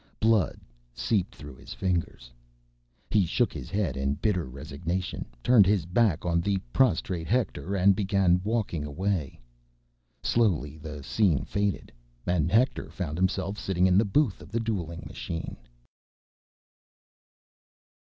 Blood seeped through his fingers. He shook his head in bitter resignation, turned his back on the prostrate Hector, and began walking away. Slowly, the scene faded, and Hector found himself sitting in the booth of the dueling machine.